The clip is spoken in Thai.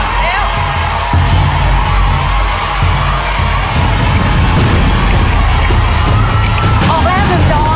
ออกแล้วถึงดอก